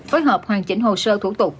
phối hợp hoàn chỉnh hồ sơ thủ tục